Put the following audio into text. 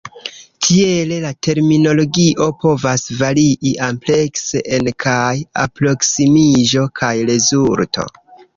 Tiele, la terminologio povas varii amplekse en kaj alproksimiĝo kaj rezulto.